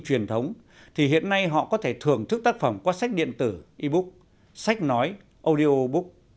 truyền thống thì hiện nay họ có thể thưởng thức tác phẩm qua sách điện tử e book sách nói audio book